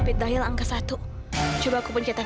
aku harus bisa lepas dari sini sebelum orang itu datang